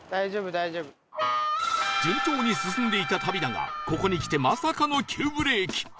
順調に進んでいた旅だがここにきてまさかの急ブレーキ